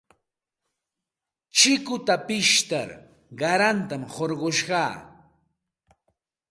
Chikuta pishtar qaranta hurqushqaa.